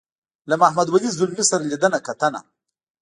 له محمد ولي ځلمي سره لیدنه کتنه.